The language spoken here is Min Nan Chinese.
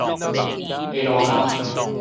下路巷